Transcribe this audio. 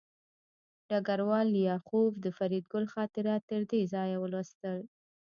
ډګروال لیاخوف د فریدګل خاطرات تر دې ځایه ولوستل